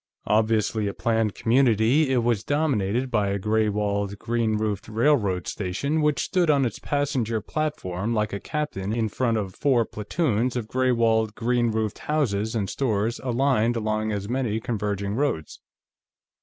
Obviously a planned community, it was dominated by a gray walled, green roofed railroad station which stood on its passenger platform like a captain in front of four platoons of gray walled, green roofed houses and stores aligned along as many converging roads.